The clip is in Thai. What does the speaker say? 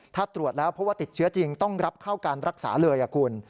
ถ้าตรวจแล้วเพราะว่าติดเชื้อจริงต้องรับเข้าการรักษาเลยคุณ